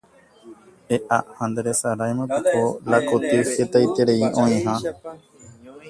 E'a, ha nderesaráimapiko la koty hetaiterei oĩha